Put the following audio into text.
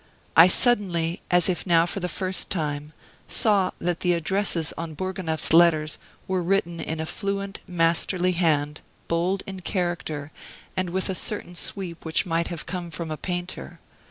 I suddenly, as if now for the first time, saw that the addresses on Bourgonef's letters were written in a fluent, masterly hand, bold in character, and with a certain sweep which might have come from a painter.